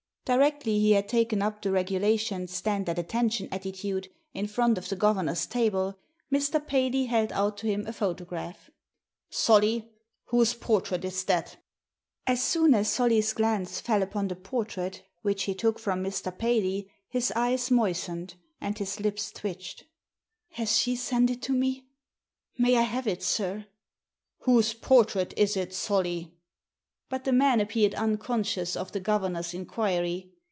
Directly he had taken up the regulation stand at attention attitiide in front of the governor's table, Mr. Paley held out to him a photograph. "Solly, whose portrait is that?" Digitized by VjOOQIC THE PHOTOGRAPHS 37 As soon as Solly's glance fell upon the portrait, which he took from Mr. Paley, his eyes moistened and his lips twitched. * Has she sent it to me? May I have it, sir? *'* Whose portrait is it, Solly?" But the man appeared unconscious of the governor's inquiry.